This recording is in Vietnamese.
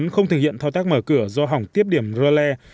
không thực hiện thao tác mở cửa do hỏng tiếp điểm rơ le